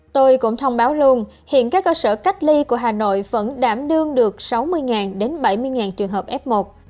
tôi cũng thông báo luôn hiện các cơ sở cách ly của hà nội vẫn đảm đương được sáu mươi đến bảy mươi trường hợp f một